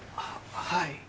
はい。